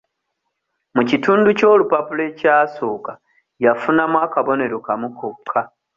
Mu kitundu ky'olupapula ekyasooka yafunamu akabonero kamu kokka.